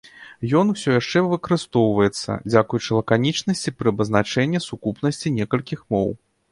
Ён усё яшчэ выкарыстоўваецца, дзякуючы лаканічнасці пры абазначэнні сукупнасці некалькі моў.